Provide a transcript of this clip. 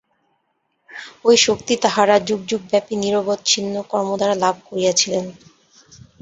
ঐ শক্তি তাঁহারা যুগযুগব্যাপী নিরবচ্ছিন্ন কর্মদ্বারা লাভ করিয়াছিলেন।